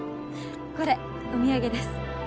これお土産です。